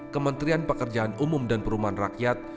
kementerian pekerjaan umum dan perumahan rakyat